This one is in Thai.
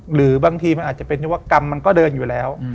หรือบางทีมันอาจจะเป็นนวกรรมมันก็เดินอยู่แล้ว